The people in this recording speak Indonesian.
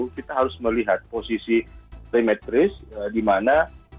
kita harus melihat posisi remetris di mana